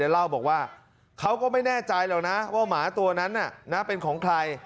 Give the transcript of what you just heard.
เล่าบอกว่าเขาก็ไม่แน่ใจหรอกนะว่าหมาตัวนั้นเป็นของใคร